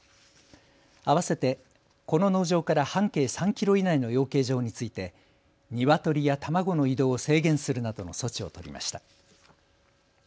あわせてこの農場から半径３キロ以内の養鶏場についてニワトリや卵の移動を制限するなどの措置を取りました。